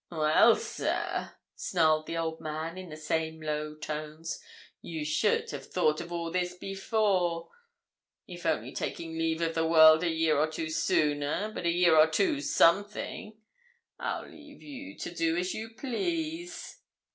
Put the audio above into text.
'Well, sir,' snarled the old man, in the same low tones, 'you should have thought of all this before. It's only taking leave of the world a year or two sooner, but a year or two's something. I'll leave you to do as you please.'